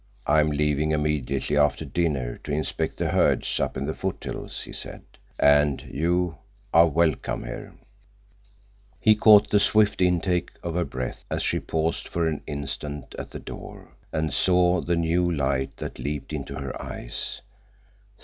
"I am leaving immediately after dinner to inspect the herds up in the foothills," he said. "And you—are welcome here." He caught the swift intake of her breath as he paused for an instant at the door, and saw the new light that leaped into her eyes.